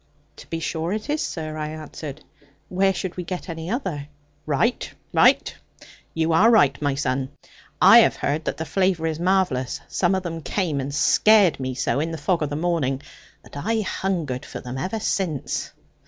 'To be sure it is, sir,' I answered; 'where should we get any other?' 'Right, right, you are right, my son. I have heard that the flavour is marvellous. Some of them came and scared me so, in the fog of the morning, that I hungered for them ever since.